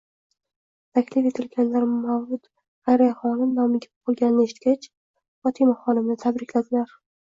Taklif etilganlar mavlud Xayriyaxonim nomiga o'qilganini eshitgach, Fotimaxonimni tabrikladilar.